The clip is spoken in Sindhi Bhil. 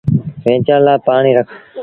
ويچڻ لآ پآڻيٚ رک۔